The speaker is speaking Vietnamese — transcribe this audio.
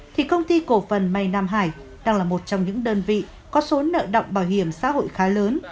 thì công ty cổ phần may nam hải đang là một trong những đơn vị có số nợ động bảo hiểm xã hội khá lớn